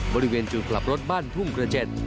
บริเวณจุดกลับรถบ้านทุ่งกระเจ็ด